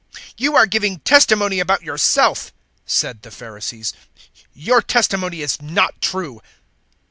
008:013 "You are giving testimony about yourself," said the Pharisees; "your testimony is not true."